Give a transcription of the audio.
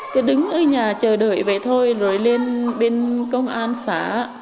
cứ đứng ở nhà chờ đợi về thôi rồi lên bên công an xã